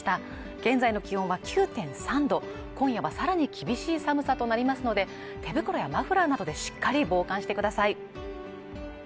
現在の気温は９．３度今夜はさらに厳しい寒さとなりますので手袋やマフラーなどでしっかり防寒してください